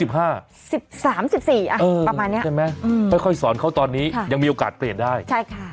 ประมาณนี้ใช่ไหมค่อยสอนเขาตอนนี้ยังมีโอกาสเปลี่ยนได้ใช่ค่ะ